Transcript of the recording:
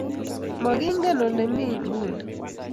Magingen ole mi inguni